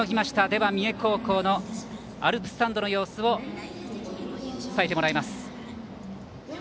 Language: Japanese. では、三重高校のアルプススタンドの様子を伝えてもらいます。